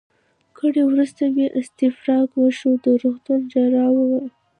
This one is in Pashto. ګړی وروسته مې استفراق وشو، د روغتون جراح وویل.